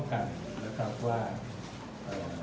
ในทางนี้พวกเราเห็นพร้อมต้องการ